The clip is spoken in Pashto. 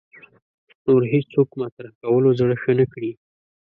نور هېڅوک مطرح کولو زړه ښه نه کړي